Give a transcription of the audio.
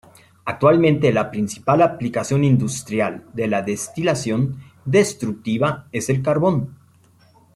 Actualmente la principal aplicación industrial de la destilación destructiva es el carbón.